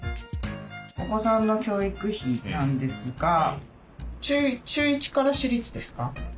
お子さんの教育費なんですが中１から私立ですか？